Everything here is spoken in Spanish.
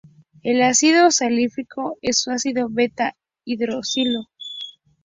El ácido salicílico es un ácido beta hidroxilo.